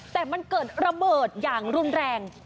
แต่มันเกิดระเบิดอย่างรุนแรง